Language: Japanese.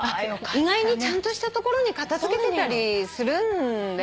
意外にちゃんとしたところに片付けてたりするんだよね。